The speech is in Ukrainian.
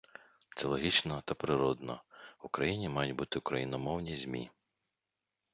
Це логічно та природно — в Україні мають бути україномовні ЗМІ.